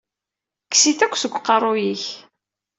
Kkes-it akk seg uqeṛṛu-yik!